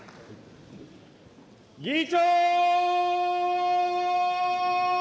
議長。